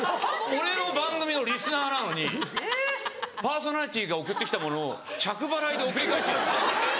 俺の番組のリスナーなのにパーソナリティーが送ってきたものを着払いで送り返して。